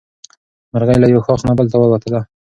مرغۍ له یو ښاخ نه بل ته والوتله.